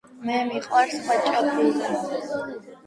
მე მიყვარს ხაჭაპური.